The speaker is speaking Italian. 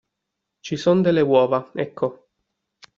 Ci son delle uova, ecco.